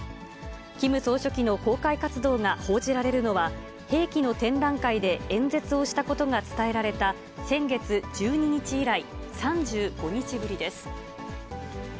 キム総書記の公開活動が報じられるのは、兵器の展覧会で演説をしたことが伝えられた先月１２日以来、３５日ぶりです。